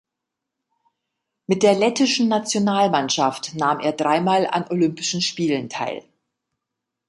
Mit der lettischen Nationalmannschaft nahm er dreimal an Olympischen Spielen teil.